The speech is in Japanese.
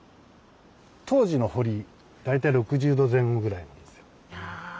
当時の堀大体６０度前後ぐらいなんですよ。